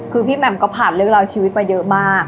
คือพี่แหม่มก็ผ่านเรื่องราวชีวิตมาเยอะมาก